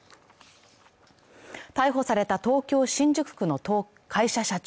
逮捕された東京新宿区の会社社長